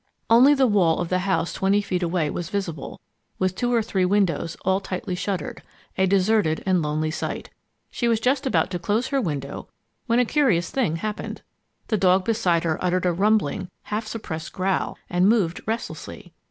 Only the wall of the house twenty feet away was visible, with two or three windows, all tightly shuttered a deserted and lonely sight. She was just about to close her window when a curious thing happened. The dog beside her uttered a rumbling, half suppressed growl and moved restlessly.